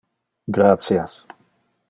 Gratias